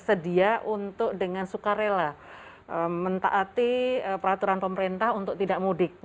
sedia untuk dengan suka rela mentaati peraturan pemerintah untuk tidak mudik